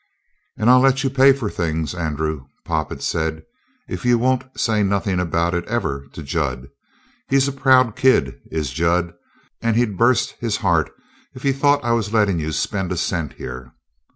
"And I'll let you pay for things, Andrew," Pop had said, "if you won't say nothing about it, ever, to Jud. He's a proud kid, is Jud, and he'd bust his heart if he thought I was lettin' you spend a cent here."